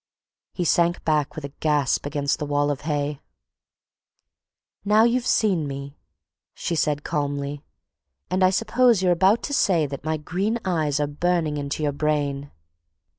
He sank back with a gasp against the wall of hay. "Now you've seen me," she said calmly, "and I suppose you're about to say that my green eyes are burning into your brain."